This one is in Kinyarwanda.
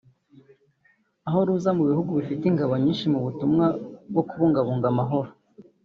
aho ruza mu bihugu bifite ingabo nyinshi mu butumwa bwo kubungabunga amahoro